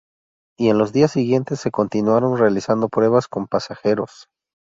Y en los días siguientes se continuaron realizando pruebas con pasajeros.